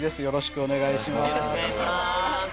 よろしくお願いします。